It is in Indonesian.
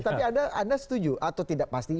tapi anda setuju atau tidak pasti